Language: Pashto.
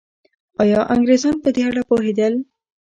آیا انګریزان په دې اړه پوهېدل؟